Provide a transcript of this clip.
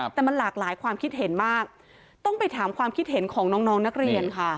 แต่มันหลากหลายความคิดเห็นมากต้องไปถามความคิดเห็นของน้องนักเรียนค่ะ